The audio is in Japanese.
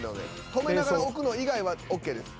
止めながら置くの以外はＯＫです。